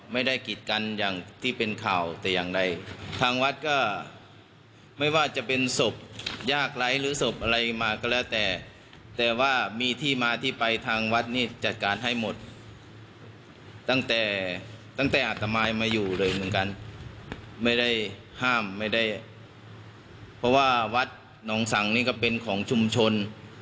ไม่ได้ห้ามไม่ได้เพราะว่าวัดนองสังนี่ก็เป็นของชุมชน